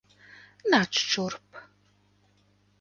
Nāc šurp.